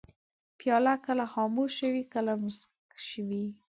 پیاله کله خاموشه وي، کله موسک وي.